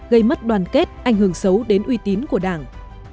gây mất đoàn kết ảnh hưởng xấu đến uy tín của đảng